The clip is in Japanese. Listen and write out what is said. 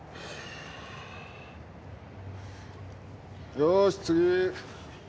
よし、次。